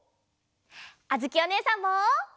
あづきおねえさんも！